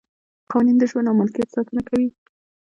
قوانین د ژوند او ملکیت ساتنه کوي.